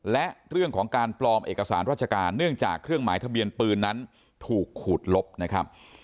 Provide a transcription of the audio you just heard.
และเรื่องของการปลอมเอกสารราชการเนื่องจากเครื่องหมายทะเบียนปืนนั้นถูกขูดลบนะครับ